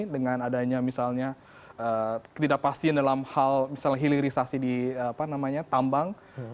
dengan adanya misalnya ketidakpastian dalam hal misalnya hilirisasi di tambang